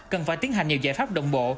cần phải tiến hành nhiều giải pháp đồng bộ